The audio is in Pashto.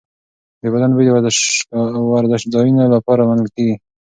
د بدن بوی د ورزشځایونو لپاره منل کېږي.